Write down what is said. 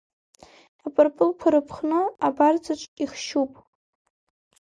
Апырпылқәа рыԥхны абарҵаҿ ихшьуп…